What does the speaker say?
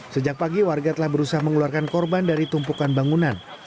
sejak pagi warga telah berusaha mengeluarkan korban dari tumpukan bangunan